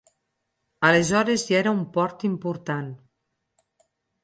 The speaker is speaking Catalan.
Aleshores ja era un port important.